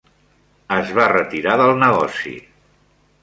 Es va retirar del negoci.